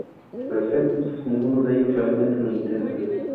Para ser justos, ninguno de ellos realmente lo intenta.